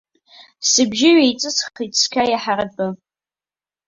Сыбжьы ҩеиҵысхит цқьа иаҳаратәы.